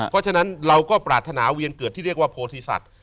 เพราะฉะนั้นเราก็ปรารถนาเวียนเกิดที่เรียกว่าโพธิสัตว์